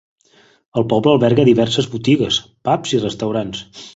El poble alberga diverses botigues, pubs i restaurants.